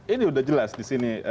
ini sudah jelas disini